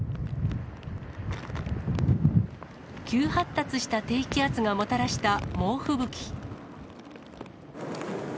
急発達した低気圧がもたらした猛吹雪。